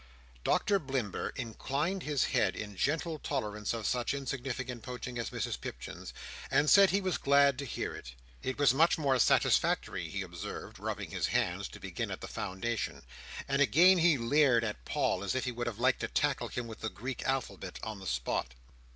Doctor Blimber inclined his head, in gentle tolerance of such insignificant poaching as Mrs Pipchin's, and said he was glad to hear it. It was much more satisfactory, he observed, rubbing his hands, to begin at the foundation. And again he leered at Paul, as if he would have liked to tackle him with the Greek alphabet, on the spot.